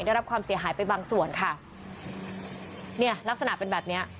ได้รับความเสียหายไปบางส่วนค่ะเนี่ยลักษณะเป็นแบบเนี้ย